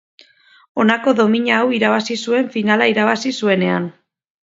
Honako domina hau irabazi zuen finala irabazi zuenean.